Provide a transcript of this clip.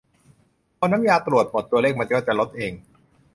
"พอน้ำยาตรวจหมด ตัวเลขมันก็จะลดเอง"